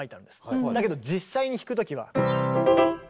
だけど実際に弾く時は。